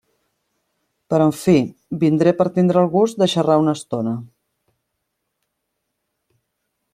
Però en fi, vindré per tindre el gust de xarrar una estona.